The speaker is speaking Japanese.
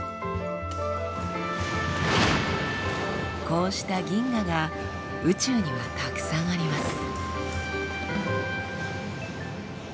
こうした銀河が宇宙にはたくさんあります。